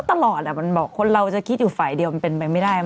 ตลอดมันบอกคนเราจะคิดอยู่ฝ่ายเดียวมันเป็นไปไม่ได้